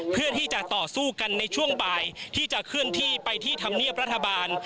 เพื่อที่จะต่อสู้กันในช่วงบ่ายที่จะเคลื่อนที่ไปที่ธรรมเนียบรัฐบาล